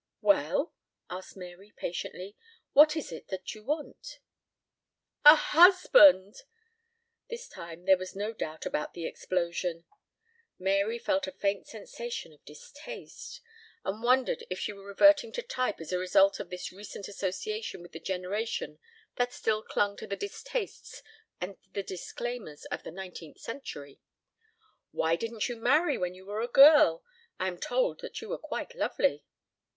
"Well?" asked Mary patiently, "what is it you do want?" "A husband!" This time there was no doubt about the explosion. Mary felt a faint sensation of distaste, and wondered if she were reverting to type as a result of this recent association with the generation that still clung to the distastes and the disclaimers of the nineteenth century. "Why didn't you marry when you were a girl? I am told that you were quite lovely."